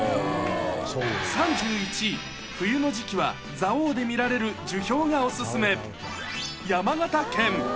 ３１位、冬の時期は蔵王で見られる樹氷がお勧め、山形県。